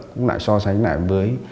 cũng lại so sánh lại với